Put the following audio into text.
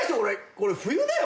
これ冬だよな⁉